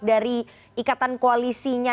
dari ikatan koalisinya